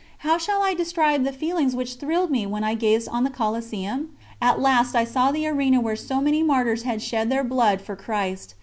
How shall I describe the feelings which thrilled me when I gazed on the Coliseum? At last I saw the arena where so many Martyrs had shed their blood for Christ.